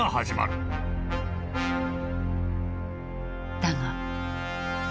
だが。